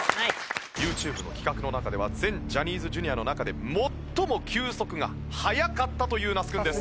ＹｏｕＴｕｂｅの企画の中では全ジャニーズＪｒ．の中で最も球速が速かったという那須くんです。